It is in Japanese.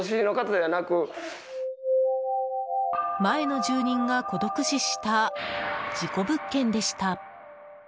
前の住人が孤独死した事故物件でした。